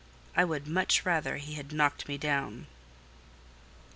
I would much rather he had knocked me down.